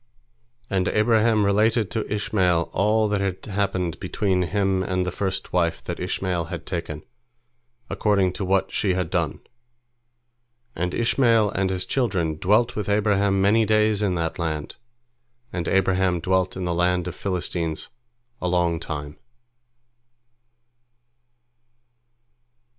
And Abraham related to Ishmael all that had happened between him and the first wife that Ishmael had taken, according to what she had done. And Ishmael and his children dwelt with Abraham many days in that land, and Abraham dwelt in the land of the Philistines a long time.